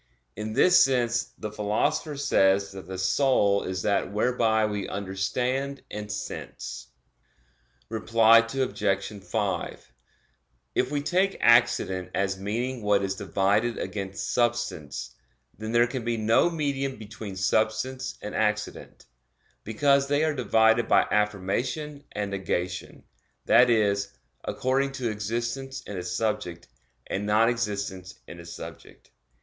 In this sense the Philosopher says that "the soul is that whereby we understand and sense." Reply Obj. 5: If we take accident as meaning what is divided against substance, then there can be no medium between substance and accident; because they are divided by affirmation and negation, that is, according to existence in a subject, and non existence in a subject.